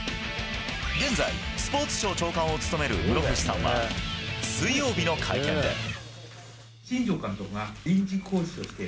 現在、スポーツ庁長官を務める室伏さんは水曜日の会見で。